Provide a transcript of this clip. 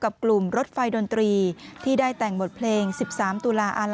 กับกลุ่มรดไฟดนตรีที่ได้แต่งบทเพลงสิบสามตุลาอาลัย